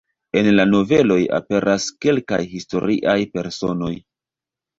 En la noveloj aperas kelkaj historiaj personoj.